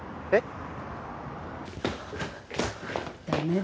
えっ？